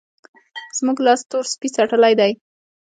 زموږ لاس تور سپي څټلی دی.